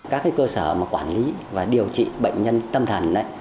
các cơ sở mà quản lý và điều trị bệnh nhân tâm thần